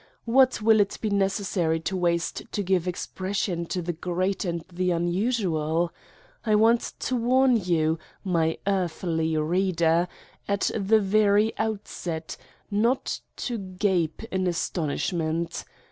What will it be necessary to waste to give expression to the great and the unusual? I want to warn you, my earthly reader, at the very out set, not to gape in astonishment.